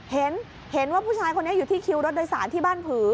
เห็นว่าผู้ชายคนนี้อยู่ที่คิวรถโดยสารที่บ้านผือ